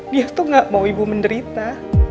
dia tuh gak mau ibu menderita